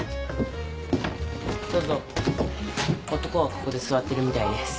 男はここで座ってるみたいです。